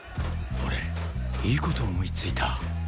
俺いい事思いついた。